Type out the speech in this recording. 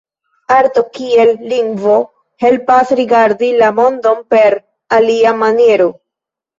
Arto kiel lingvo helpas rigardi la mondon per alia maniero.